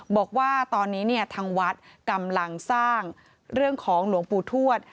บอกว่าตอนนี้เนี่ยทางวัดกำลังสร้างเรื่องของหลวงปู่ทวด